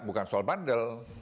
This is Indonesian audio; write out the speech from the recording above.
bukan soal bandel